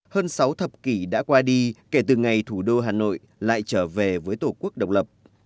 hơn sáu thập kỷ đã qua đi kể từ ngày thủ đô hà nội lại trở về với tổ quốc độc lập